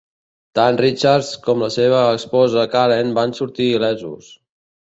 Tan Richards com la seva esposa Karen van sortir il·lesos.